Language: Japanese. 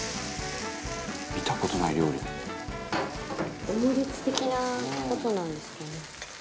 「見た事ない料理」「オムレツ的な事なんですかね」